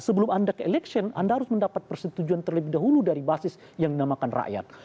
sebelum anda ke election anda harus mendapat persetujuan terlebih dahulu dari basis yang dinamakan rakyat